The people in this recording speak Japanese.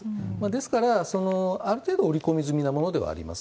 ですから、ある程度織り込み済みなものではあります。